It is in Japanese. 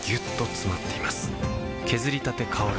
削りたて香る